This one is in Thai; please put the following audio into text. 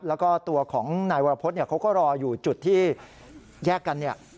แล้วก็ตัวของนายวรพฤษเขาก็รออยู่จุดที่แยกกันเนี่ย